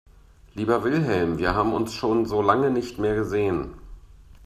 Lieber Wilhelm, wir haben uns schon so lange nicht mehr gesehen.